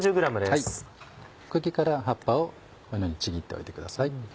茎から葉っぱをこのようにちぎっておいてください。